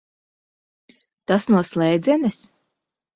Tas no slēdzenes?